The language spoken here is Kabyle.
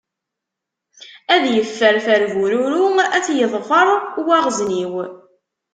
Ad yefferfer bururu ad t-yeḍfer uwaɣzniw.